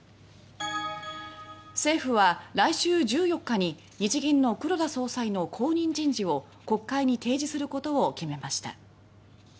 政府は来週１４日に日銀の黒田総裁の後任人事を国会に提示することを決めました。